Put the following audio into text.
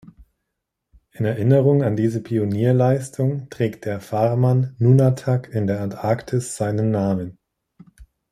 In Erinnerung an diese Pionierleistung trägt der Farman-Nunatak in der Antarktis seinen Namen.